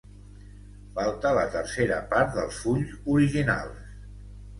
Falta la tercera part dels fulls originals.